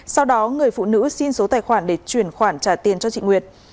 sau đó người phụ nữ xin số tài khoản để chuyển khoản trả tiền cho chị nguyệt